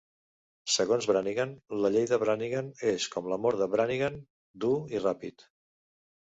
Segons Brannigan, "la Llei de Brannigan és com l'amor de Brannigan: dur i ràpid".